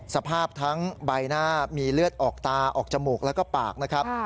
สภาพทั้งใบหน้ามีเลือดออกตาออกจมูกแล้วก็ปากนะครับ